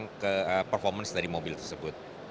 untuk menunjukkan performance dari mobil tersebut